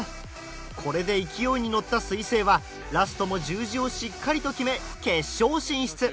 これで勢いに乗った彗星はラストも十字をしっかりと決め決勝進出。